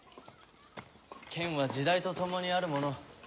剣は時代と共にあるもの。